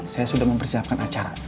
saya sudah mempersiapkan acara